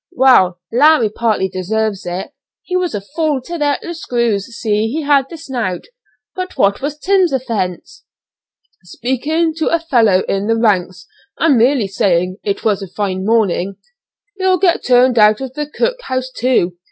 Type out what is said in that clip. "Well, Larry partly deserves it. He was a fool to let the 'screw' see he had the 'snout;' but what was Tim's offence?" "Speaking to a fellow in the ranks, and merely saying 'It was a fine morning;' he'll get turned out of the cook house, too.